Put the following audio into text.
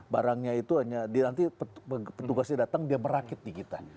barangnya itu hanya dia nanti petugasnya datang dia merakit di kita